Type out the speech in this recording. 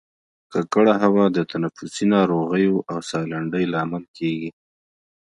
ککړه هوا د تنفسي ناروغیو او سالنډۍ لامل کیږي